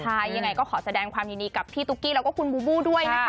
ใช่ยังไงก็ขอแสดงความยินดีกับพี่ตุ๊กกี้แล้วก็คุณบูบูด้วยนะคะ